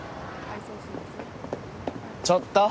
ちょっと！